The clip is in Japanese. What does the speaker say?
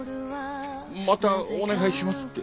「またお願いします」って。